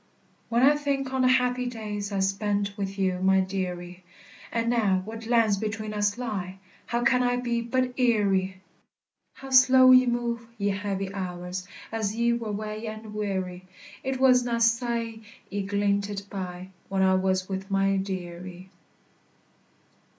When I think on the happy days I spent wi' you, my dearie; And now what lands between us lie, How can I be but eerie! How slow ye move, ye heavy hours, As ye were wae and weary! It was na sae ye glinted by When I was wi' my dearie.